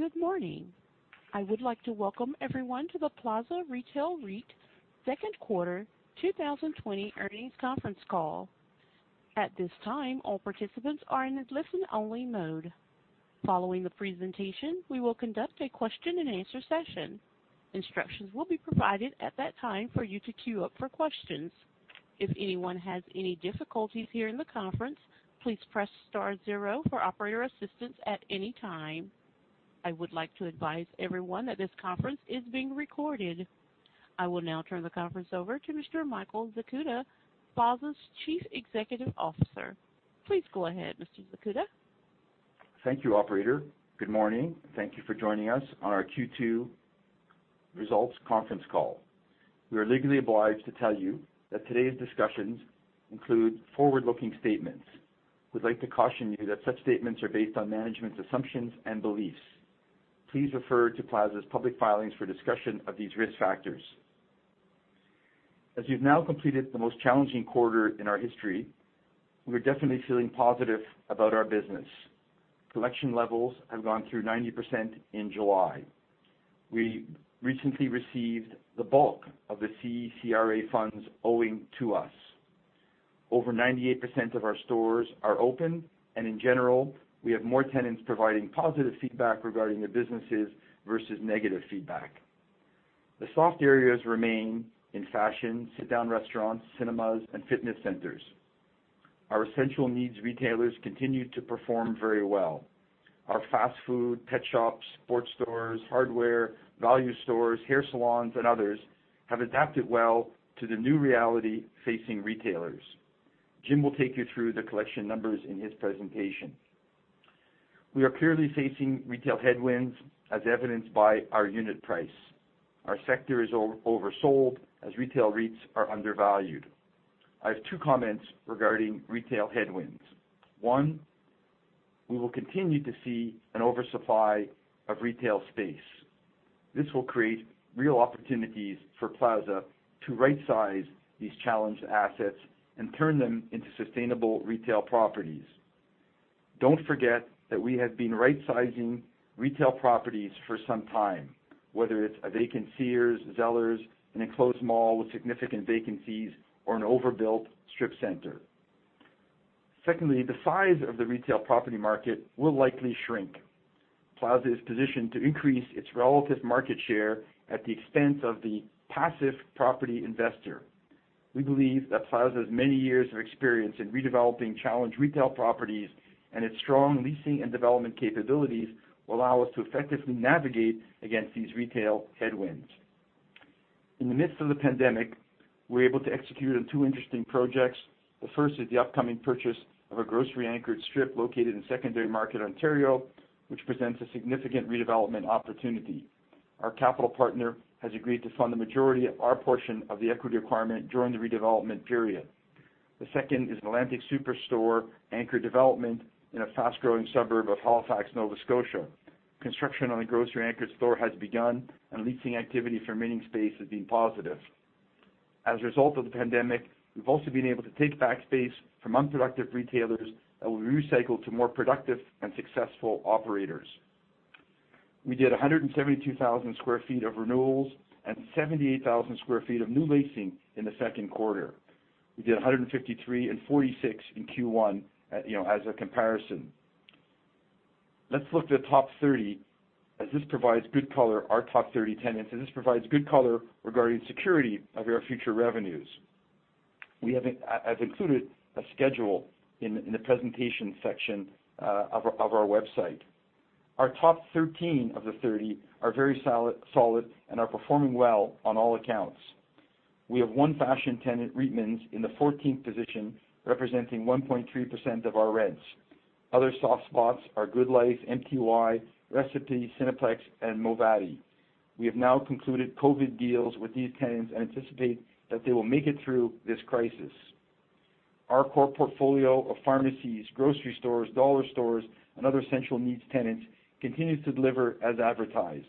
Good morning. I would like to welcome everyone to the Plaza Retail REIT Second Quarter 2020 Earnings Conference Call. At this time, all participants are in a listen-only mode. Following the presentation, we will conduct a question-and-answer session. Instructions will be provided at that time for you to queue up for questions. If anyone has any difficulties during the conference, please press star zero for operator assistance at any time. I would like to advise everyone that this conference is being recorded. I will now turn the conference over to Mr. Michael Zakuta, Plaza's Chief Executive Officer. Please go ahead, Mr. Zakuta. Thank you, operator. Good morning. Thank you for joining us on our Q2 Results Conference Call. We are legally obliged to tell you that today's discussions include forward-looking statements. We'd like to caution you that such statements are based on management's assumptions and beliefs. Please refer to Plaza's public filings for discussion of these risk factors. As we've now completed the most challenging quarter in our history, we're definitely feeling positive about our business. Collection levels have gone through 90% in July. We recently received the bulk of the CECRA funds owing to us. Over 98% of our stores are open, and in general, we have more tenants providing positive feedback regarding their businesses versus negative feedback. The soft areas remain in fashion, sit-down restaurants, cinemas, and fitness centers. Our essential needs retailers continued to perform very well. Our fast food, pet shops, sports stores, hardware, value stores, hair salons, and others have adapted well to the new reality facing retailers. Jim will take you through the collection numbers in his presentation. We are clearly facing retail headwinds, as evidenced by our unit price. Our sector is oversold as retail REITs are undervalued. I have two comments regarding retail headwinds. One, we will continue to see an oversupply of retail space. This will create real opportunities for Plaza to rightsize these challenged assets and turn them into sustainable retail properties. Don't forget that we have been rightsizing retail properties for some time, whether it's a vacant Sears, Zellers, an enclosed mall with significant vacancies, or an overbuilt strip center. Secondly, the size of the retail property market will likely shrink. Plaza is positioned to increase its relative market share at the expense of the passive property investor. We believe that Plaza's many years of experience in redeveloping challenged retail properties and its strong leasing and development capabilities will allow us to effectively navigate against these retail headwinds. In the midst of the pandemic, we were able to execute on two interesting projects. The first is the upcoming purchase of a grocery-anchored strip located in secondary market Ontario, which presents a significant redevelopment opportunity. Our capital partner has agreed to fund the majority of our portion of the equity requirement during the redevelopment period. The second is an Atlantic Superstore anchor development in a fast-growing suburb of Halifax, Nova Scotia. Construction on the grocery anchor store has begun, and leasing activity for remaining space has been positive. As a result of the pandemic, we've also been able to take back space from unproductive retailers that will be recycled to more productive and successful operators. We did 172,000 square feet of renewals and 78,000 square feet of new leasing in the second quarter. We did 153 and 46 in Q1 as a comparison. Let's look at the top 30, as this provides good color. Our top 30 tenants, this provides good color regarding the security of our future revenues. I've included a schedule in the presentation section of our website. Our top 13 of the 30 are very solid and are performing well on all accounts. We have one fashion tenant, Reitmans, in the 14th position, representing 1.3% of our rents. Other soft spots are GoodLife, MTY, Recipe, Cineplex, and Movati. We have now concluded COVID deals with these tenants and anticipate that they will make it through this crisis. Our core portfolio of pharmacies, grocery stores, dollar stores, and other essential needs tenants continues to deliver as advertised.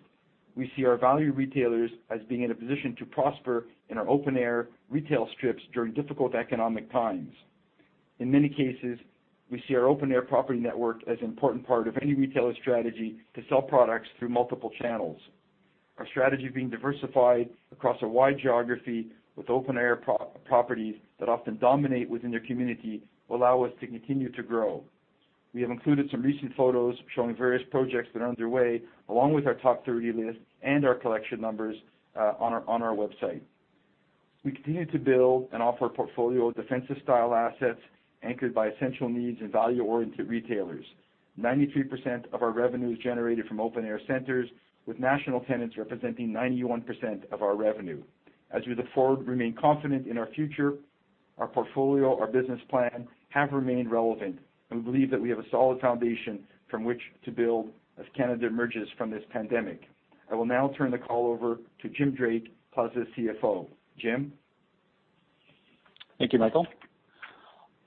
We see our value retailers as being in a position to prosper in our open-air retail strips during difficult economic times. In many cases, we see our open-air property network as an important part of any retailer's strategy to sell products through multiple channels. Our strategy being diversified across a wide geography with open-air properties that often dominate within their community will allow us to continue to grow. We have included some recent photos showing various projects that are underway, along with our top 30 list and our collection numbers on our website. We continue to build and offer a portfolio of defensive style assets anchored by essential needs and value-oriented retailers. 93% of our revenue is generated from open-air centers, with national tenants representing 91% of our revenue. As we look forward, we remain confident in our future. Our portfolio, our business plan, have remained relevant, and we believe that we have a solid foundation from which to build as Canada emerges from this pandemic. I will now turn the call over to Jim Drake, Plaza's CFO. Jim? Thank you, Michael.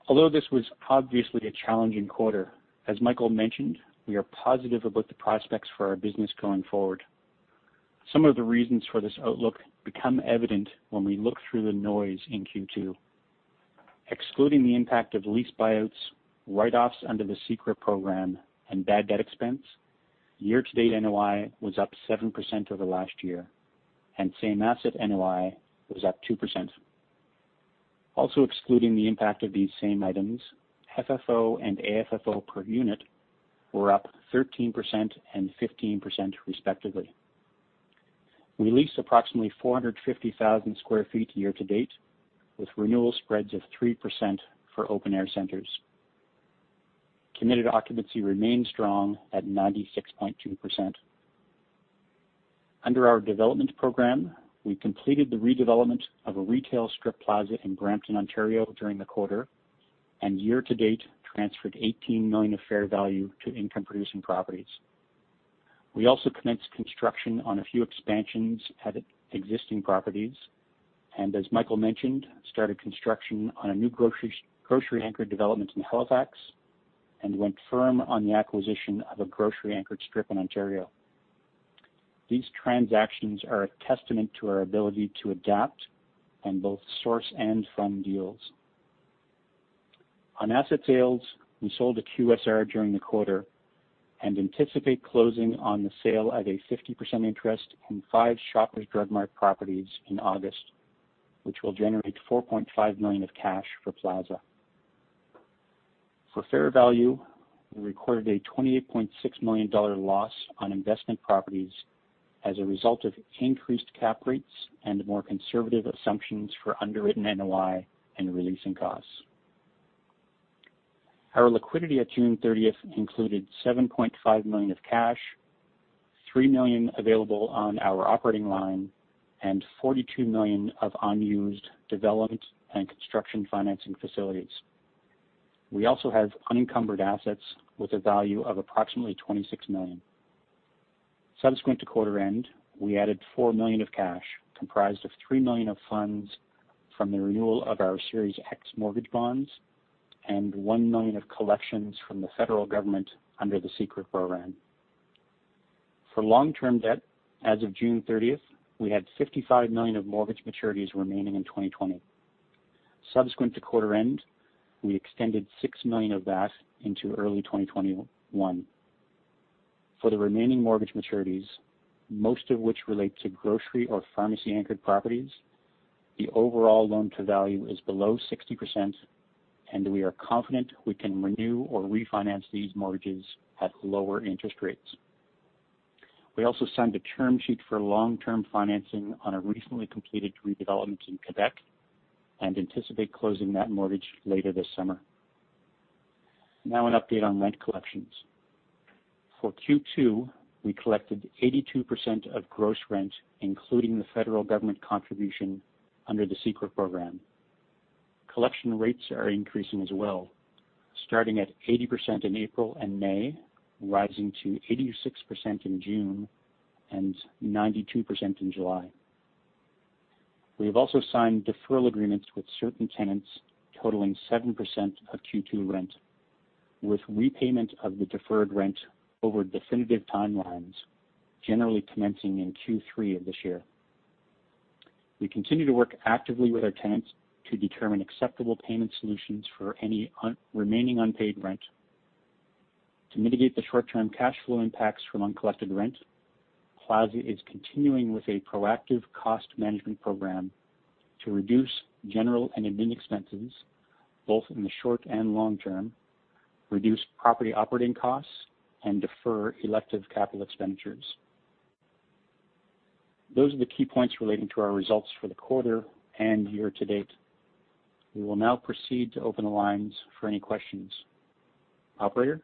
Although this was obviously a challenging quarter, as Michael mentioned, we are positive about the prospects for our business going forward. Some of the reasons for this outlook become evident when we look through the noise in Q2. Excluding the impact of lease buyouts, write-offs under the CECRA program, and bad debt expense, year-to-date NOI was up 7% over last year, and same asset NOI was up 2%. Also excluding the impact of these same items, FFO and AFFO per unit were up 13% and 15% respectively. We leased approximately 450,000 sq ft year to date, with renewal spreads of 3% for open air centers. Committed occupancy remains strong at 96.2%. Under our development program, we completed the redevelopment of a retail strip plaza in Brampton, Ontario during the quarter, and year to date transferred 18 million of fair value to income producing properties. We also commenced construction on a few expansions at existing properties, and as Michael mentioned, started construction on a new grocery-anchored development in Halifax and went firm on the acquisition of a grocery-anchored strip in Ontario. These transactions are a testament to our ability to adapt on both source and fund deals. On asset sales, we sold a QSR during the quarter and anticipate closing on the sale of a 50% interest in five Shoppers Drug Mart properties in August, which will generate 4.5 million of cash for Plaza. For fair value, we recorded a 28.6 million dollar loss on investment properties as a result of increased cap rates and more conservative assumptions for underwritten NOI and releasing costs. Our liquidity at June 30th included 7.5 million of cash, 3 million available on our operating line, and 42 million of unused development and construction financing facilities. We also have unencumbered assets with a value of approximately 26 million. Subsequent to quarter end, we added 4 million of cash, comprised of 3 million of funds from the renewal of our Series X mortgage bonds and 1 million of collections from the federal government under the CECRA program. For long-term debt, as of June 30th, we had 55 million of mortgage maturities remaining in 2020. Subsequent to quarter end, we extended 6 million of that into early 2021. For the remaining mortgage maturities, most of which relate to grocery or pharmacy-anchored properties, the overall loan to value is below 60%, and we are confident we can renew or refinance these mortgages at lower interest rates. We also signed a term sheet for long-term financing on a recently completed redevelopment in Quebec and anticipate closing that mortgage later this summer. An update on rent collections. For Q2, we collected 82% of gross rent, including the federal government contribution under the CECRA program. Collection rates are increasing as well, starting at 80% in April and May, rising to 86% in June and 92% in July. We have also signed deferral agreements with certain tenants totaling 7% of Q2 rent, with repayment of the deferred rent over definitive timelines, generally commencing in Q3 of this year. We continue to work actively with our tenants to determine acceptable payment solutions for any remaining unpaid rent. To mitigate the short-term cash flow impacts from uncollected rent, Plaza is continuing with a proactive cost management program to reduce general and admin expenses both in the short and long term, reduce property operating costs, and defer elective capital expenditures. Those are the key points relating to our results for the quarter and year to date. We will now proceed to open the lines for any questions. Operator?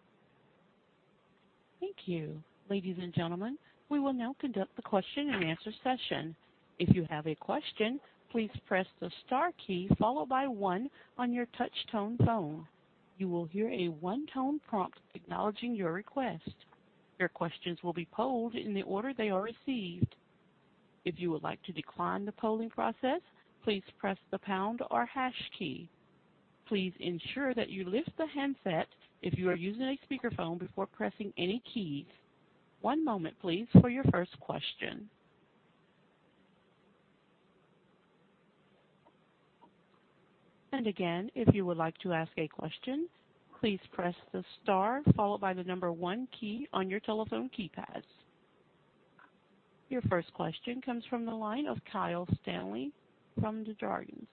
Your first question comes from the line of Kyle Stanley from Desjardins.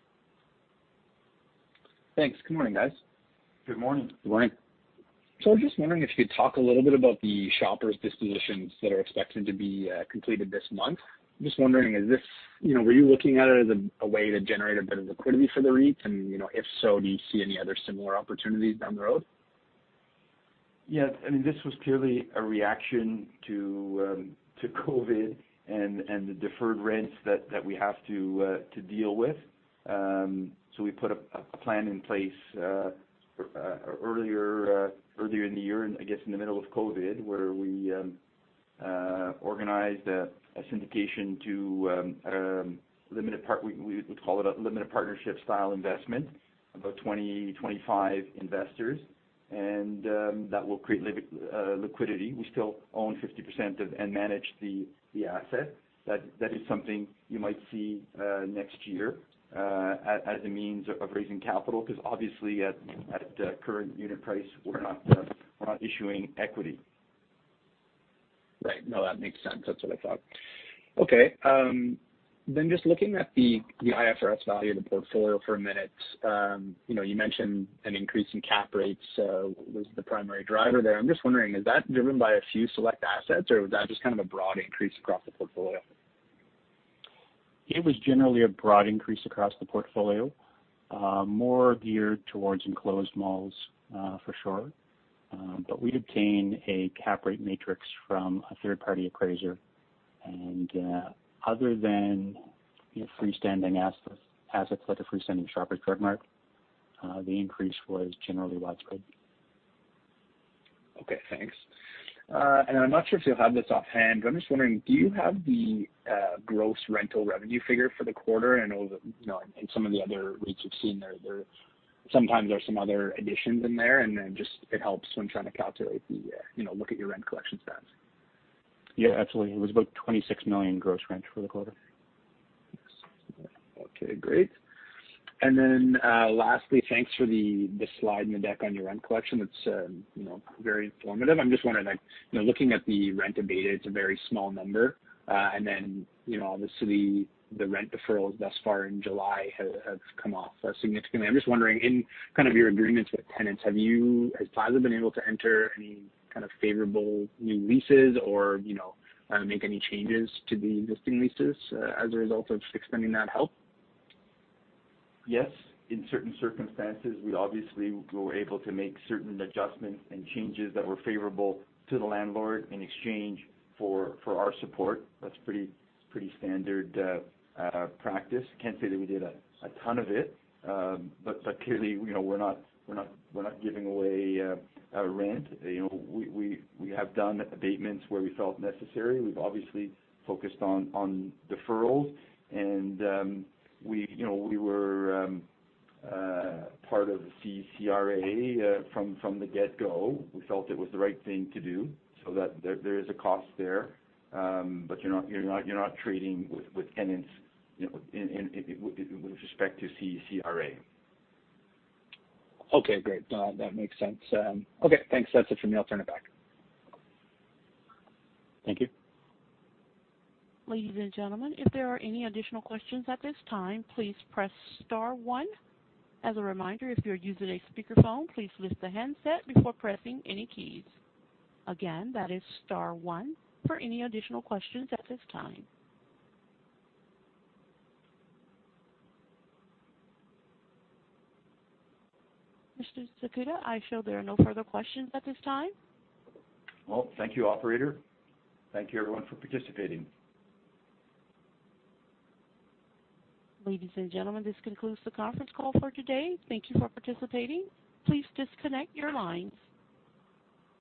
Thanks. Good morning, guys. Good morning. Good morning. I was just wondering if you could talk a little bit about the Shoppers dispositions that are expected to be completed this month. I'm just wondering, were you looking at it as a way to generate a bit of liquidity for the REIT? If so, do you see any other similar opportunities down the road? This was purely a reaction to COVID and the deferred rents that we have to deal with. We put a plan in place earlier in the year, I guess in the middle of COVID, where we organized a syndication to, we call it a limited partnership style investment, about 20, 25 investors, and that will create liquidity. We still own 50% of and manage the asset. That is something you might see next year as a means of raising capital because obviously at the current unit price, we're not issuing equity. Right. No, that makes sense. That's what I thought. Okay. Just looking at the IFRS value of the portfolio for a minute. You mentioned an increase in cap rates was the primary driver there. I'm just wondering, is that driven by a few select assets or was that just kind of a broad increase across the portfolio? It was generally a broad increase across the portfolio, more geared towards enclosed malls, for sure. We'd obtain a cap rate matrix from a third-party appraiser, and other than freestanding assets, like a freestanding Shoppers Drug Mart, the increase was generally widespread. Okay, thanks. I'm not sure if you'll have this offhand, but I'm just wondering, do you have the gross rental revenue figure for the quarter? I know that in some of the other REITs we've seen, sometimes there's some other additions in there. It helps when trying to look at your rent collection stats. Yeah, absolutely. It was about 26 million gross rent for the quarter. Okay, great. Lastly, thanks for the slide in the deck on your rent collection. That's very informative. I'm just wondering, looking at the rent abated, it's a very small number. Obviously, the rent deferrals thus far in July have come off significantly. I'm just wondering, in your agreements with tenants, has Plaza been able to enter any kind of favorable new leases or make any changes to the existing leases as a result of extending that help? Yes, in certain circumstances, we obviously were able to make certain adjustments and changes that were favorable to the landlord in exchange for our support. That's pretty standard practice. Can't say that we did a ton of it. Clearly, we're not giving away rent. We have done abatements where we felt necessary. We've obviously focused on deferrals, and we were part of the CECRA from the get-go. We felt it was the right thing to do so that there is a cost there. You're not trading with tenants with respect to CECRA. Okay, great. That makes sense. Okay, thanks. That's it for me. I'll turn it back. Thank you. Mr. Zakuta, I show there are no further questions at this time. Well, thank you, operator. Thank you, everyone, for participating. Ladies and gentlemen, this concludes the conference call for today. Thank you for participating. Please disconnect your lines.